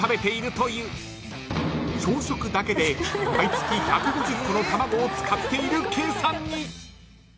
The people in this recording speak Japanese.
［朝食だけで毎月１５０個の卵を使っている計算に］